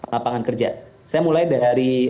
lapangan kerja saya mulai dari